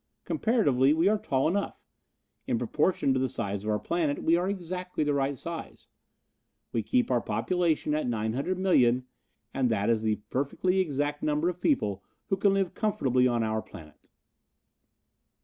Comparatively we are tall enough. In proportion to the size of our planet we are exactly the right size. We keep our population at 900,000,000, and that is the perfectly exact number of people who can live comfortably on our planet."